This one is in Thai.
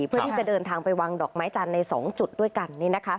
เพื่อที่จะเดินทางไปวางดอกไม้จันทร์ใน๒จุดด้วยกัน